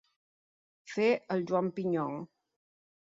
Fer el Joan Pinyol.